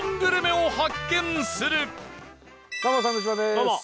どうも。